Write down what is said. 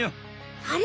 あれ？